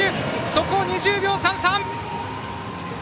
速報２０秒３３！